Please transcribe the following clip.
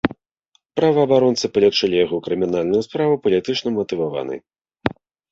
Праваабаронцы палічылі яго крымінальную справу палітычна матываванай.